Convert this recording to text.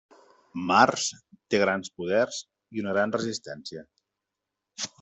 Mars té grans poders i una gran resistència.